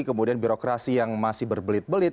kemudian birokrasi yang masih berbelit belit